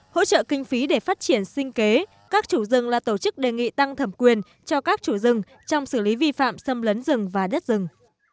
hỗ trợ kinh phí để phát triển sinh kế các chủ rừng là tổ chức đề nghị tăng thẩm quyền cho các chủ rừng trong xử lý vi phạm xâm lấn rừng và đất rừng